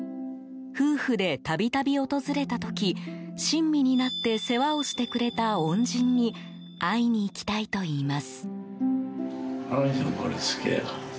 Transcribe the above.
夫婦で度々訪れた時親身になって世話をしてくれた恩人に会いに行きたいといいます。